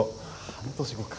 半年後か。